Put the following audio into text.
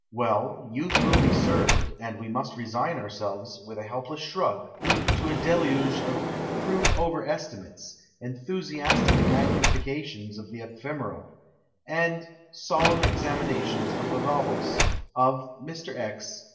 Well, youth will be served, and we must resign ourselves, with a helpless shrug, to a deluge of crude over estimates, enthusiastic magni fications of the ephemeral, and solenm examinations of the novels of Mr. X.